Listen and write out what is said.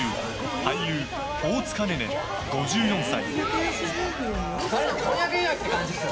俳優・大塚寧々、５４歳。